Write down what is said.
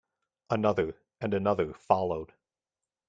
Another and another followed.